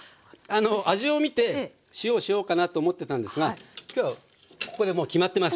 あの味をみて塩をしようかなと思ってたんですが今日はここでもう決まってます。